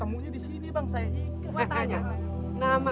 eh tenang tenang